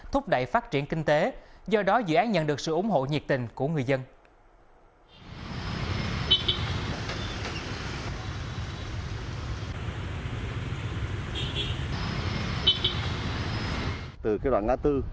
thúc đẩy phát triển kinh tế do đó dự án nhận được sự ủng hộ nhiệt tình của người dân